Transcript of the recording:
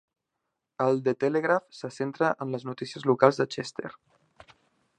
El The Telegraph se centra en les notícies locals de Chester.